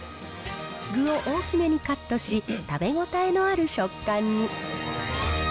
具を大きめにカットし、食べ応えのある食感に。